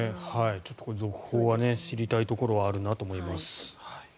続報は知りたいところはあるなと思います。